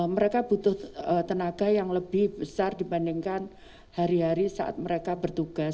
mereka butuh tenaga yang lebih besar dibandingkan hari hari saat mereka bertugas